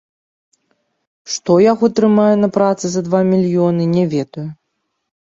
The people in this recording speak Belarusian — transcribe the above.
Што яго трымае на працы за два мільёны, не ведаю.